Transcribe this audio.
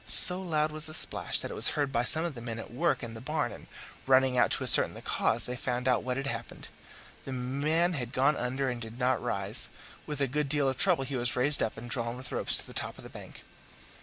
So loud was the splash that it was heard by some of the men at work in the barn, and running out to ascertain the cause, they found out what had happened. The man had gone under and did not rise; with a good deal of trouble he was raised up and drawn with ropes to the top of the bank.